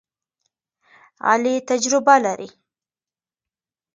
علي تجربه لري.